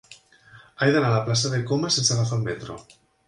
He d'anar a la plaça de Comas sense agafar el metro.